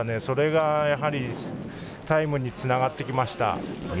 それがタイムにつながってきました。